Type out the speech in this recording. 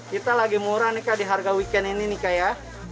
kita lagi murah nih kak di harga weekend ini nih kak ya